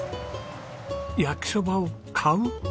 焼きそばを買う？